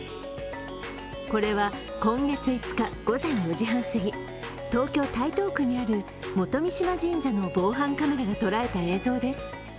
これは今月５日午前４時半すぎ東京・台東区にある元三島神社の防犯カメラが捉えた映像です。